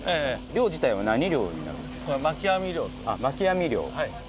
漁自体は何漁になるんですか？